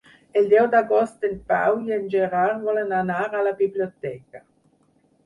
El deu d'agost en Pau i en Gerard volen anar a la biblioteca.